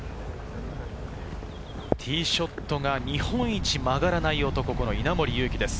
ティーショットが日本一曲がらない男、稲森佑貴です。